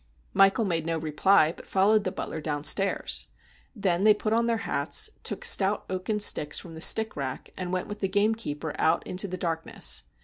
Michael made no reply, but followed the butler downstairs. Then they put on their hats, took stout oaken sticks from the stick rack, and went with the gamekeeper out into the dark ness.